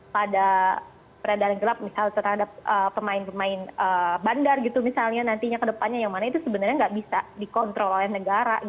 pada peredaran gelap misalnya terhadap pemain pemain bandar gitu misalnya nantinya ke depannya yang mana itu sebenarnya nggak bisa dikontrol oleh negara